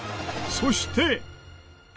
そして。